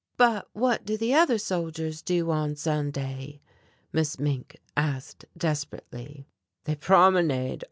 "But what do the other soldiers do on Sunday?" Miss Mink asked desperately. "They promenade.